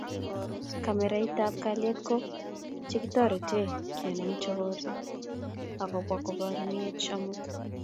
kameraitab kalyet ko che kotoritech kenam chorik che kobwa koborienech amut